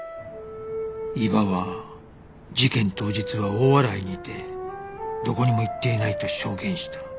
伊庭は事件当日は大洗にいてどこにも行っていないと証言した